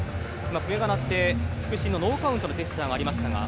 笛が鳴って、副審のノーカウントのジェスチャーがありましたが。